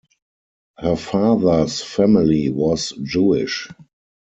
Her father's family was Jewish.